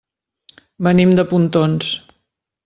Venim de Pontons.